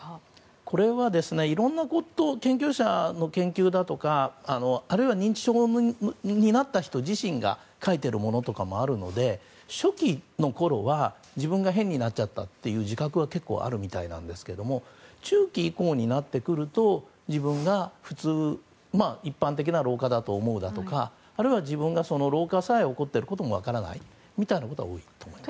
これはいろんな研究者の研究だとかあるいは認知症になった人自身が書いているものとかもあるので初期のころは自分が変になっちゃったという自覚は結構あるみたいなんですけども中期以降になると、自分が普通一般的な老化だと思うとかあるいは自分がその老化さえ起こっていることも分からないみたいなことは多いです。